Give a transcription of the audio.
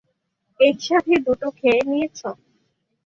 একসাথেই দুটো খেয়ে নিয়েছো।